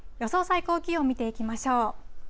最高気温見ていきましょう。